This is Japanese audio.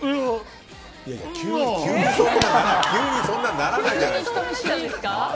急にそんなならないじゃないですか。